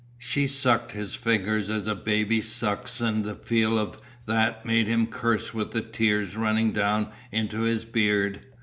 She sucked his finger as a baby sucks and the feel of that made him curse with the tears running down into his beard.